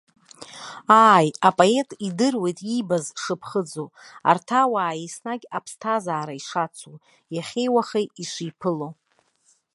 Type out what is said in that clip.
Ааи, апоет идыруеит иибаз шыԥхыӡу, арҭ ауаа еснагь аԥсҭазаара ишацу, иахьеиуахеи ишиԥыло.